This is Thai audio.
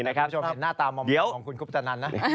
คุณผู้ชมเห็นหน้าตามองคุณคุณพุทธนันนะ